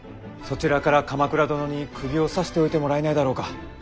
そちらから鎌倉殿にくぎを刺しておいてもらえないだろうか。